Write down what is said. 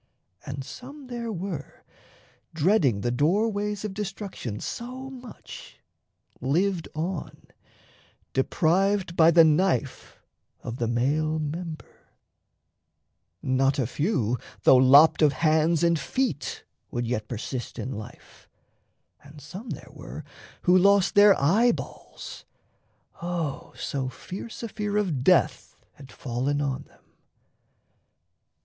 And some there were, Dreading the doorways of destruction So much, lived on, deprived by the knife Of the male member; not a few, though lopped Of hands and feet, would yet persist in life, And some there were who lost their eyeballs: O So fierce a fear of death had fallen on them!